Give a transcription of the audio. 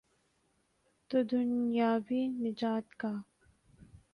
تو دنیاوی نجات کا۔